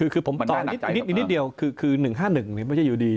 คือผมตอนนิดเดียวคือ๑๕๑ไม่ใช่อยู่ดี